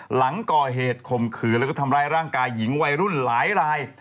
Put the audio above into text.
หลังก่อเหตุข่มขืนแล้วก็ทำร้ายร่างกายหญิงวัยรุ่นหลายราย